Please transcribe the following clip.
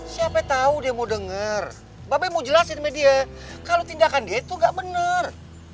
siapa tau dia mau denger babi mau jelasin sama dia kalo tindakan dia tuh gak bener